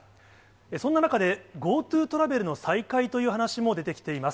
そんな中で、ＧｏＴｏトラベルの再開という話も出てきています。